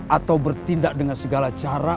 atau bertindak dengan segala cara